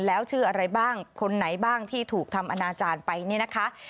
แล้วชื่ออะไรบ้างคนไหนบ้างที่ถูกทำอนาจารย์ไปเนี่ยนะคะ